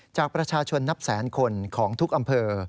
จากประชาชนนับแสนคนของทุกอำเภอ